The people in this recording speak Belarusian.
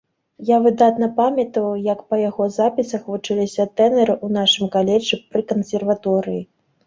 Я выдатна памятаю, як па яго запісах вучыліся тэнары ў нашым каледжы пры кансерваторыі.